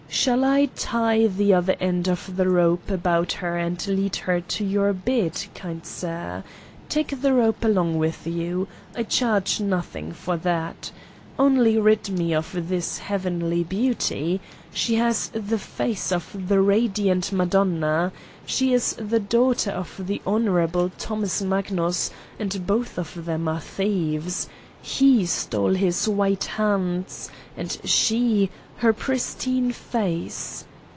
Shall I tie the other end of the rope about her and lead her to your bed, kind sir? Take the rope along with you. I charge nothing for that. Only rid me of this heavenly beauty ! She has the face of the radiant Madonna. She is the daughter of the honorable Thomas Magnus and both of them are thieves : he stole his white hands and she her pristine face